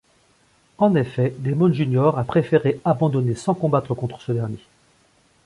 En effet, Daemon Junior a préféré abandonner sans combattre contre ce dernier.